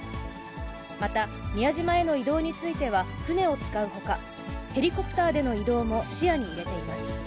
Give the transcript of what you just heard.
また、宮島への移動については船を使うほか、ヘリコプターでの移動も視野に入れています。